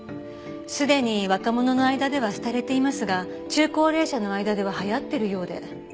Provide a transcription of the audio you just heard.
すでに若者の間では廃れていますが中高齢者の間では流行ってるようで。